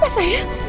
makasih ya pak